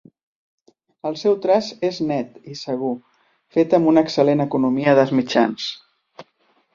El seu traç és net i segur, fet amb una excel·lent economia de mitjans.